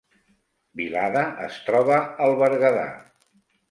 Vilada es troba al Berguedà